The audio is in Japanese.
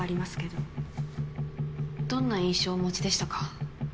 どんな印象をお持ちでしたか？